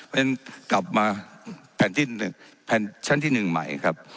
เพราะฉะนั้นกลับมาแผ่นที่๑แผ่นชั้นที่๑ใหม่ครับ